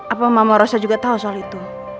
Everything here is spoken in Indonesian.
apa mama rasa juga tahu soal itu